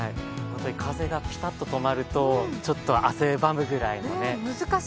風がピタッと止まるとちょっと汗ばむくらいの。